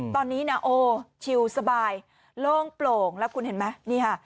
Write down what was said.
ตอนนี้นะโอ้ชิลสบายโล่งโปร่งแล้วคุณเห็นไหมนี่ค่ะ